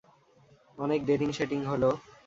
অনেক ডেটিং-শেটিং হলো।